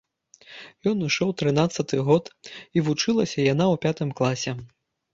Ёй ішоў трынаццаты год, і вучылася яна ў пятым класе.